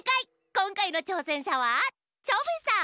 こんかいのちょうせんしゃはチョビさん。